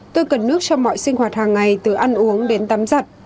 tôi cần nước cho mọi sinh hoạt hàng ngày từ ăn uống đến tắm giặt